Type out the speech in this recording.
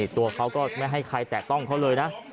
ตัวเขาก็ไม่ให้ใครแตะต้องเขาเลยนะ